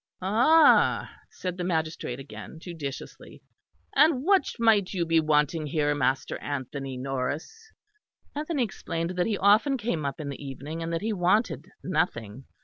"Ah!" said the magistrate again, judicially. "And what might you be wanting here, Master Anthony Norris?" Anthony explained that he often came up in the evening, and that he wanted nothing.